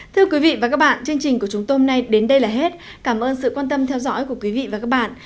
thưa quý vị và các bạn chương trình của chúng tôi hôm nay đến đây là hết cảm ơn sự quan tâm theo dõi của quý vị và các bạn